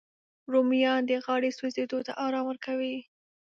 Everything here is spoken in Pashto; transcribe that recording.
رومیان د غاړې سوځېدو ته ارام ورکوي